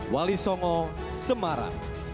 dan dr ngo semara